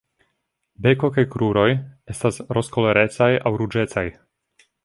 Beko kaj kruroj estas rozkolorecaj al ruĝecaj.